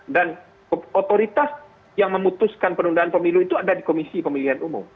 dan otoritas yang memutuskan penundaan pemilu itu ada di komisi pemilihan umum